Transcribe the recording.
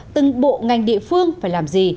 từng bộ ngành địa phương phải làm gì